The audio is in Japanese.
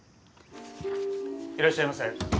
・いらっしゃいませ。